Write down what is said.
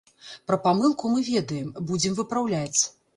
Пра памылку мы ведаем, будзем выпраўляць.